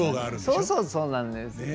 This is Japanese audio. そうそうそうなんです。